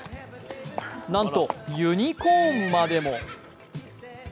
なんとユニコーンまでも。